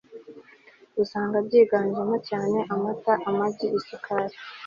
usanga byiganjemo cyane amata amagi nisukari